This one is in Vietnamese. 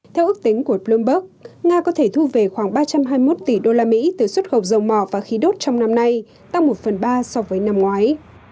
theo ước tính của bloomberg nga có thể thu về khoảng ba trăm hai mươi một tỷ usd từ xuất khẩu dầu mỏ và khí đốt trong năm nay tăng một phần ba so với năm ngoái